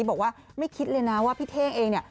บอกว่าไม่คิดเลยนะว่าพี่เท่งเองเนี่ย